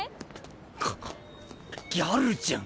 がっギャルじゃん。